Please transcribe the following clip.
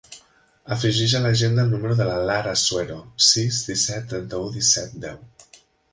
Afegeix a l'agenda el número de la Lara Suero: sis, disset, trenta-u, disset, deu.